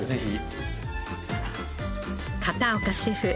片岡シェフ